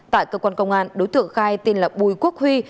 tại cơ quan công an đối tượng khai tên là bùi quốc huy